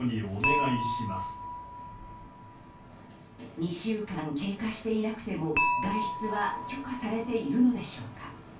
２週間経過していなくても外出は許可されているのでしょうか。